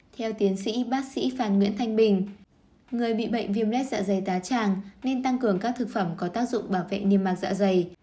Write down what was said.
theo tiến sĩ bác sĩ phan nguyễn thanh bình người bị bệnh viêm lết dạ dày tá tràng nên tăng cường các thực phẩm có tác dụng bảo vệ niêm mạc dạ dày